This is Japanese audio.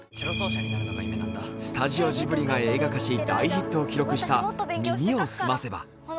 スタジオジブリが映画化し大ヒットを記録した「耳をすませば」。